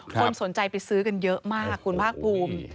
คนสนใจไปซื้อกันเยอะมากคุณภาคภูมิ